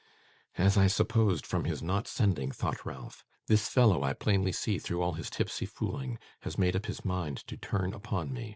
'As I supposed from his not sending!' thought Ralph. 'This fellow, I plainly see through all his tipsy fooling, has made up his mind to turn upon me.